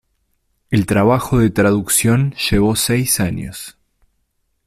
El trabajo de traducción llevó seis años.